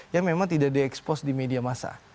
yang memang tidak diekspos di media masa